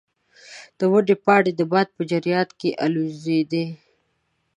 د ونې پاڼې د باد په جریان کې الوزیدې.